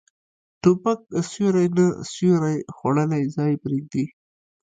توپک سیوری نه، سیوری خوړلی ځای پرېږدي.